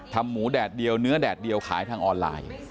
หมูแดดเดียวเนื้อแดดเดียวขายทางออนไลน์